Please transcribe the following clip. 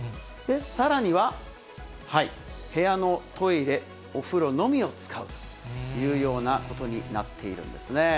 さらには、部屋のトイレ・お風呂のみを使うというようなことになっているんですね。